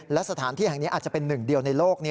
และสถานที่แห่งนี้อาจจะเป็นหนึ่งเดียวในโลก